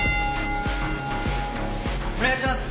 お願いします！